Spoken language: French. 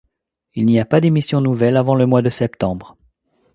Il n'y a pas d'émission nouvelle avant le mois de septembre.